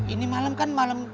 ini malam kan malem